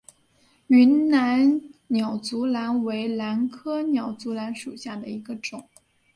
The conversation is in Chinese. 云南鸟足兰为兰科鸟足兰属下的一个种。